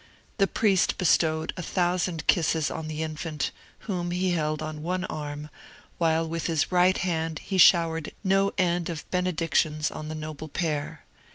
The priest bestowed a thousand kisses on the infant, whom he held on one arm, while with his right hand he showered no end of benedictions on the noble pair.